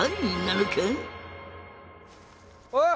おい！